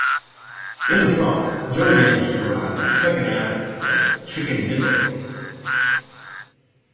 In the song, Joey manages to rhyme "Second Avenue" with "chicken vindaloo".